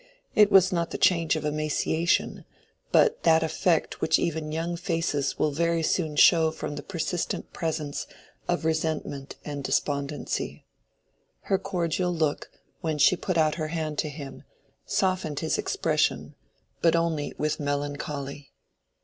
It was not the change of emaciation, but that effect which even young faces will very soon show from the persistent presence of resentment and despondency. Her cordial look, when she put out her hand to him, softened his expression, but only with melancholy.